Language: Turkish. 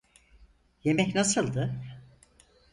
Yemek nasıldı?